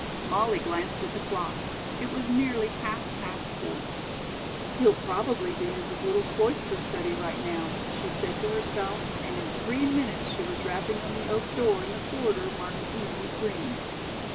Molly glanced at the clock. It was nearly half past four. "He'll probably be in his little cloister study right now," she said to herself, and in three minutes she was rapping on the oak door in the corridor marked "E. Green."